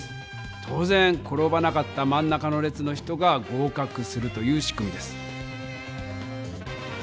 当ぜん転ばなかったまん中の列の人が合かくするという仕組みです。